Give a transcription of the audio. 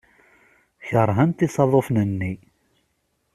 Keṛhent isaḍufen-nni.